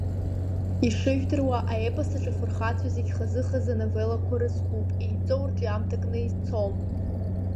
Ишыжәдыруа, аепосаҿы афырхацәа зегьы хазы-хазы ановеллақәа рызкуп, еидҵоу рҿиамҭакны ицом.